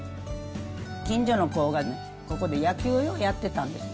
近所の子が、ここで野球をようやってたんですよ。